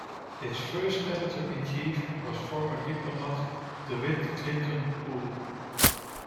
Its first editor-in-chief was former diplomat Dewitt Clinton Poole.